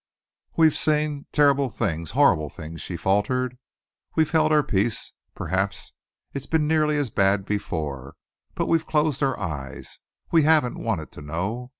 "We've seen terrible things horrible things," she faltered. "We've held our peace. Perhaps it's been nearly as bad before, but we've closed our eyes; we haven't wanted to know.